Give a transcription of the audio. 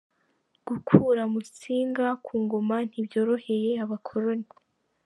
Gukura Musinga ku ngoma ntibyoroheye abakoloni.